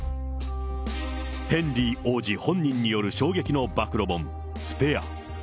ヘンリー王子本人による衝撃の暴露本、スペア。